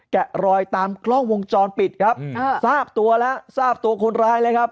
แกะรอยตามกล้องวงจรปิดครับอ่าทราบตัวแล้วทราบตัวคนร้ายแล้วครับ